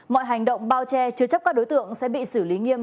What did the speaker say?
mọi hành động bao che chứa chấp các đối tượng sẽ bị xử lý nghiêm